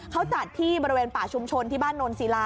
เขาจัดที่บริเวณป่าชุมชนที่บ้านโนนศิลา